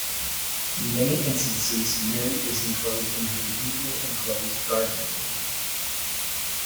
In many instances Mary is enclosed in her usual enclosed garden.